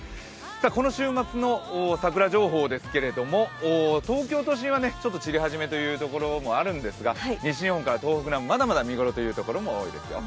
この週末の桜情報ですけれども東京都心は散り始めという所もあるんですが西日本から東北にはまだまだ見頃というところも多いですよ。